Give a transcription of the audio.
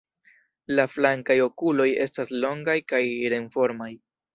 La flankaj okuloj estas longaj kaj ren-formaj.